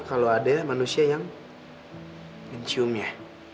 kalau ada manusia yang menciumnya